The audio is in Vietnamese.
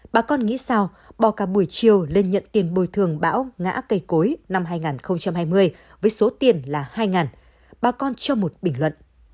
bà con nghĩ sao bỏ cả buổi chiều lên nhận tiền bồi thường bão ngã cây cối năm hai nghìn hai mươi với số tiền là hai bà con cho một bình luận